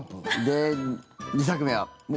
で、２作目は。